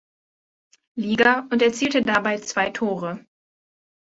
Liga und erzielte dabei zwei Tore.